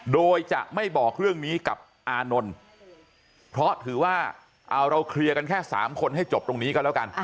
โดยจะไม่บอกเรื่องนี้กับอานนท์เพราะถือว่าเอาเราเคลียร์กันแค่๓คนให้จบตรงนี้ก็แล้วกัน